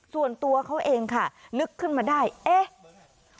ส่วนตัวเขาเองค่ะนึกขึ้นมาได้วันนี้วันที่สิบสี่เนี่ย